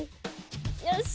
よし！